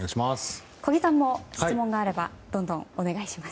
小木さんも質問があればどんどん、お願いします。